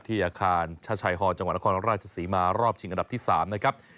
อาคารชะชัยฮอจังหวัดนครราชศรีมารอบชิงอันดับที่๓นะครับ